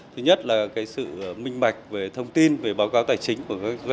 thứ nhất là sự minh bạch về thông tin về báo cáo tài chính của các doanh nghiệp